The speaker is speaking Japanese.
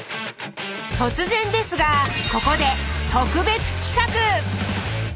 突然ですがここで特別企画！